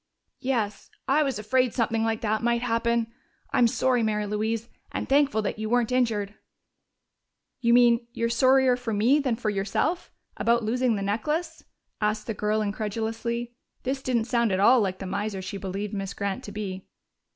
"Yes. I was afraid something like that might happen. I'm sorry, Mary Louise, and thankful that you weren't injured." "You mean you're sorrier for me than for yourself about losing the necklace?" asked the girl incredulously. This didn't sound at all like the miser she believed Miss Grant to be.